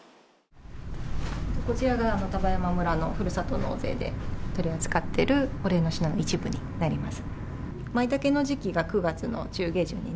こちらが丹波山村のふるさと納税で取り扱っているお礼の品の一部になります。